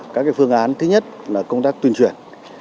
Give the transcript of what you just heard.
các phương án thứ nhất là công tác tuyên truyền